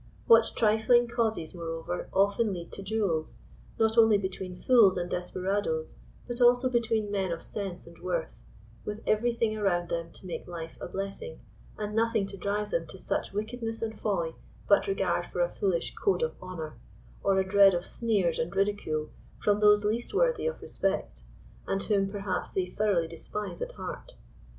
What trifling causes, moreover, often lead to duels, not only between fools and desperadoes, but also between men of sense and worth, with every thing around them to make life a bless ing, and nothing to drive them ^o such wickedness and folly but regard for a foolish *< code of honor," or a dread of sneers and ridicule from those least worthy of respect, and whom per haps they thoroughly despise at heart.